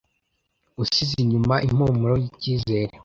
usize inyuma impumuro yicyizere